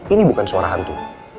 ini bukan suara hantu